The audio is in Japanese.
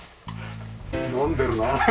飲んでるな。